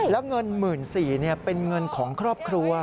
แล้วเงิน๑๔๐๐เป็นเงินของครอบครัว